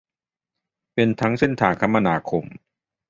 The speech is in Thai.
เป็นทั้งเส้นทางคมนาคม